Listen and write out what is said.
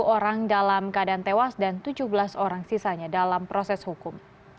sepuluh orang dalam keadaan tewas dan tujuh belas orang sisanya dalam proses hukum